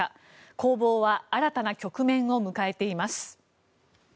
攻防は新たな局面を迎えています。